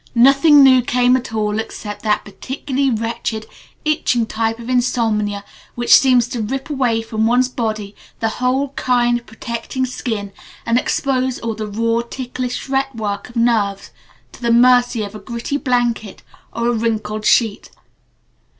Nothing new came at all except that particularly wretched, itching type of insomnia which seems to rip away from one's body the whole kind, protecting skin and expose all the raw, ticklish fretwork of nerves to the mercy of a gritty blanket or a wrinkled sheet.